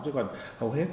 chứ còn hầu hết